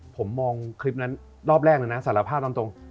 ผมมองคลิปรอบแรกหนึ่งนะสารภาพลำตง